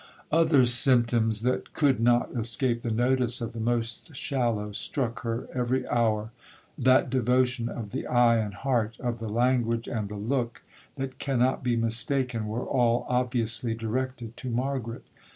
'Other symptoms that could not escape the notice of the most shallow, struck her every hour. That devotion of the eye and heart,—of the language and the look, that cannot be mistaken, —were all obviously directed to Margaret.